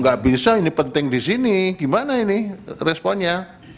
nggak bisa ini penting di sini gimana ini responnya